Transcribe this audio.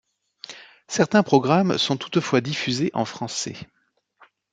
Certains programmes sont toutefois diffusés en français.